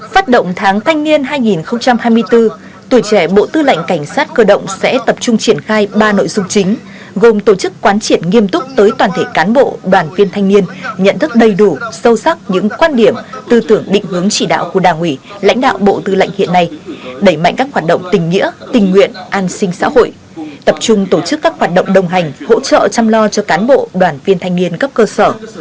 phát động tháng thanh niên hai nghìn hai mươi bốn tuổi trẻ bộ tư lệnh cảnh sát cơ động sẽ tập trung triển khai ba nội dung chính gồm tổ chức quán triển nghiêm túc tới toàn thể cán bộ đoàn viên thanh niên nhận thức đầy đủ sâu sắc những quan điểm tư tưởng định hướng chỉ đạo của đảng ủy lãnh đạo bộ tư lệnh hiện nay đẩy mạnh các hoạt động tình nghĩa tình nguyện an sinh xã hội tập trung tổ chức các hoạt động đồng hành hỗ trợ chăm lo cho cán bộ đoàn viên thanh niên cấp cơ sở